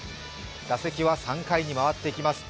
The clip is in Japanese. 打席は３回に回ってきます。